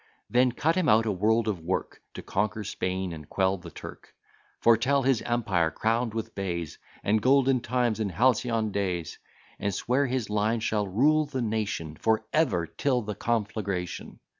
Then cut him out a world of work, To conquer Spain, and quell the Turk: Foretel his empire crown'd with bays, And golden times, and halcyon days; And swear his line shall rule the nation For ever till the conflagration.